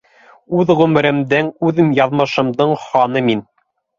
Үҙ ғүмеремдең, үҙ яҙмышымдың ханы мин!